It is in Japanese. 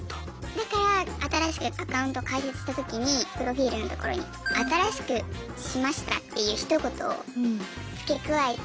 だから新しくアカウント開設した時にプロフィールのところに「新しくしました」っていうひと言を付け加えて。